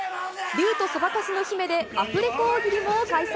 竜とそばかすの姫でアフレコ大喜利も開催。